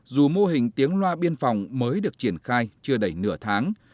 dù mô hình tiếng loa biên phòng mới được triển khai chưa đầy nửa tháng